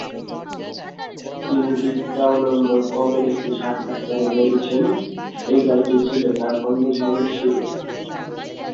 তিনি বিট-টাউনম্বর কম এর একটি সাক্ষাৎকারে বলেছেন "এই গানটি ছিল তার কর্মজীবনের শুরু"।